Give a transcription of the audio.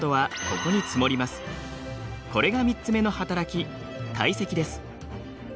これが３つ目の働き「堆積」です。